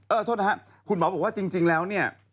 โทษนะครับคุณหมอบอกว่าจริงแล้วเนี่ย